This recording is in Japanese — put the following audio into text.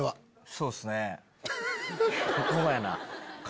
そうっすね。